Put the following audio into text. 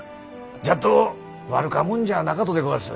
じゃっどん悪かもんじゃなかとでごわす。